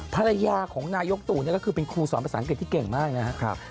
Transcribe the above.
ภรรยาของนายกตู่ก็คือเป็นครูสอนภาษาอังกฤษที่เก่งมากนะครับ